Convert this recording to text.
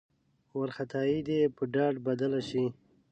وارخطايي دې په ډاډ بدله شي.